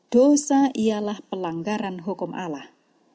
dosa ialah pelanggaran hukum allah